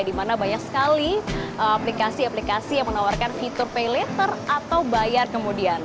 di mana banyak sekali aplikasi aplikasi yang menawarkan fitur pay later atau bayar kemudian